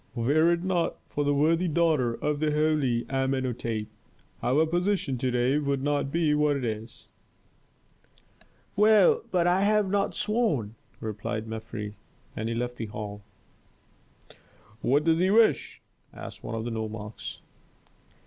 Were it not for the worthy daughter of the holy Amenhôtep, our position to day would not be what it is." "Well, but I have not sworn," replied Mefres, and he left the hall. "What does he wish?" asked one of the nomarchs.